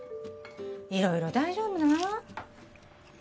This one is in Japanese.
色々大丈夫なん？